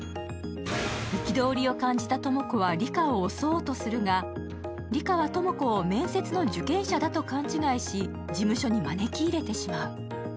憤りを感じた知子は梨花を襲おうとするが梨花は知子を面接の受験者だと勘違いし事務所に招き入れてしまう。